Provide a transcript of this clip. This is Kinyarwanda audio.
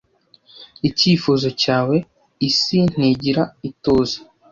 Icyifuzo cyawe, isi ntigira ituze--